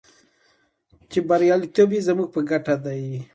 چې بریالیتوب یې زموږ په ګټه دی.